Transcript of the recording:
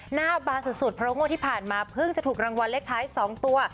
หน้าบานสุดเพราะงวดที่ผ่านมาเพิ่งจะถูกรางวัลเลขท้าย๒ตัว